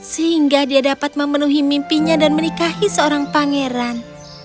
sehingga dia dapat memenuhi mimpinya dan menikahi seorang pangeran